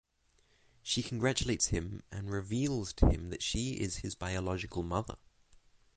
She congratulates him and reveals to him that she is his biological mother.